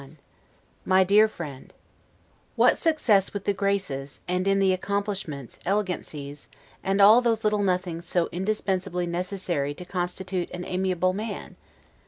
S. 1751 MY DEAR FRIEND: What success with the graces, and in the accomplishments, elegancies, and all those little nothings so indispensably necessary to constitute an amiable man?